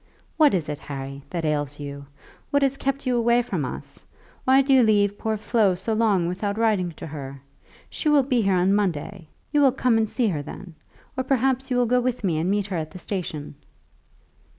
"What is it, Harry, that ails you? What has kept you away from us? Why do you leave poor Flo so long without writing to her? She will be here on Monday. You will come and see her then; or perhaps you will go with me and meet her at the station?"